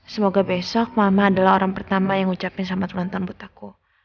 semoga besok mama adalah orang pertama yang ucapin selamat ulang tahun buat aku